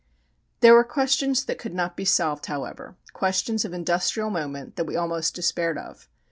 There were questions that could not be solved, however, questions of industrial moment that we almost despaired of.